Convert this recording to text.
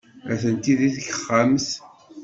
Atenti deg texxamt.